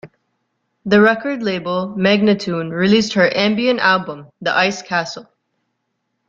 The record label, Magnatune, released her ambient album, "The Ice Castle".